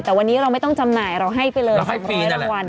แต่วันนี้เราไม่ต้องจำหน่ายเราให้ไปเลย๓๐๐วันเราให้ฟรีนั่นแหละ